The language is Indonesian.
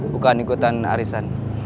bukan ikutan arisan